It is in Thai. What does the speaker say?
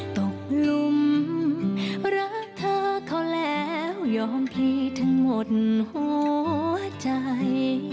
ตกลุมรักเธอเขาแล้วยอมพี่ทั้งหมดหัวใจ